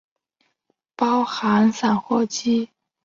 包含散货机。